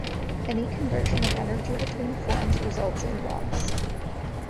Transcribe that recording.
Any conversion of energy between forms results in loss.